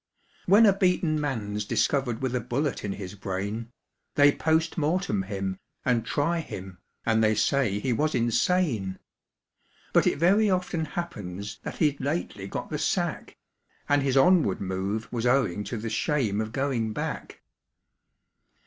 When a beaten man's discovered with a bullet in his brain, They POST MORTEM him, and try him, and they say he was insane; But it very often happens that he'd lately got the sack, And his onward move was owing to the shame of going back.